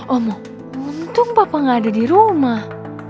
omong muntung papa gak ada di rumah